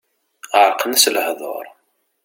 Ɛerqen-as lehdur.